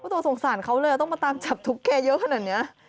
ตัวสงสารเขาเลยต้องมาตามจับทุกข์แกเยอะขนาดนี้